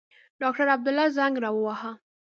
ډاکټر عبدالله زنګ را ووهه.